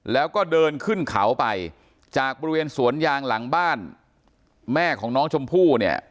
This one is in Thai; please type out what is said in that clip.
แล้วก็เดินขึ้นเขาไปจากบริเวณสวนยางหลังบ้านแม่ของน้องชมพู่เนี่ย